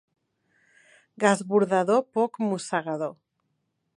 Gos bordador, poc mossegador.